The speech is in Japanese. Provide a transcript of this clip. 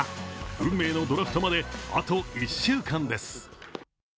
運命のドラフトまで、あと１週間です。